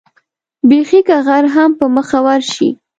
بېخي که غر هم په مخه ورشي.